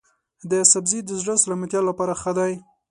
دا سبزی د زړه د سلامتیا لپاره ښه دی.